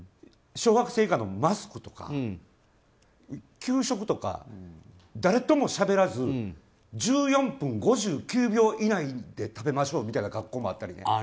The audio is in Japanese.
小学生以下のマスクとか給食とか誰ともしゃべらず１４分５９秒以内で食べましょうみたいな学校もあったりね。